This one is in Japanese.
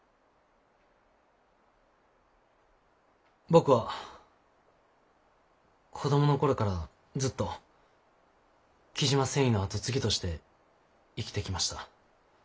僕は子供の頃からずっと雉真繊維の後継ぎとして生きてきました。